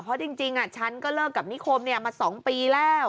เพราะจริงฉันก็เลิกกับนิคมมา๒ปีแล้ว